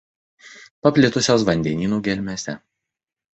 Paplitusios vandenynų gelmėse.